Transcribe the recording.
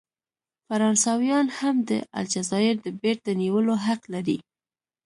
فرانسویان هم د الجزایر د بیرته نیولو حق لري.